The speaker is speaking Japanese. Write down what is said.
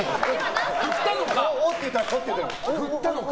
振ったのか。